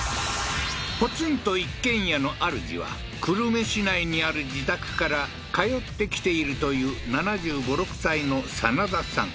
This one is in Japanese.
ポツンと一軒家のあるじは久留米市内にある自宅から通ってきているという７５７６歳のサナダさん